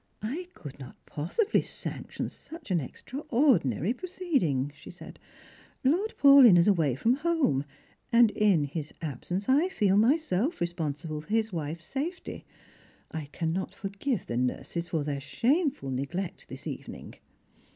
" I could not iDossibly sanction such an extraordinary proceed ing," she said. *' Lord Paulyn is away from home, and in his absence I feel myself responsible for his wife's safety. I cannot forgive the nurses for their shameful neglect this evening."